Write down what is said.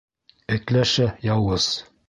Этләшә, яуыз.